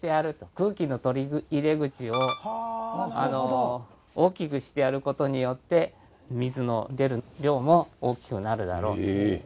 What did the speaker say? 空気の取り入れ口を大きくしてやる事によって水の出る量も大きくなるだろうという。